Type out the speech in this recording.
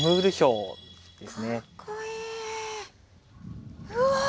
うわ！